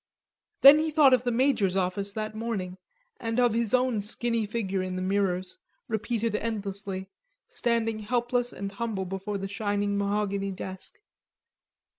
Then he thought of the Major's office that morning, and of his own skinny figure in the mirrors, repeated endlessly, standing helpless and humble before the shining mahogany desk.